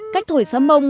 cách thổi sáo mông